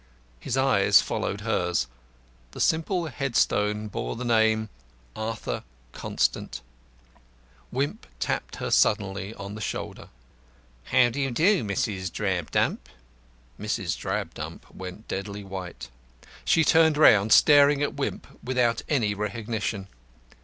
His eyes followed hers. The simple headstone bore the name, "Arthur Constant." Wimp tapped her suddenly on the shoulder. "How do you do, Mrs. Drabdump?" Mrs. Drabdump went deadly white. She turned round, staring at Wimp without any recognition.